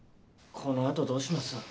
このあとどうします？